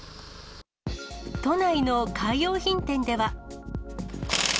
都内のカー用品店では。